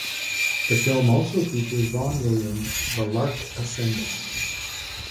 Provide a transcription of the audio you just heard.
The film also features Vaughan Williams's "The Lark Ascending".